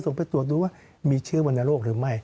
ไปตรวจดูว่ามีเชื้อวรรณโรคหรือไม่